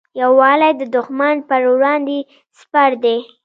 یووالی د دښمن پر وړاندې سپر دی.